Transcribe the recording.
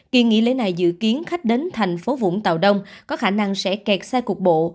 kỳ nghỉ lễ này dự kiến khách đến thành phố vũng tàu đông có khả năng sẽ kẹt xe cục bộ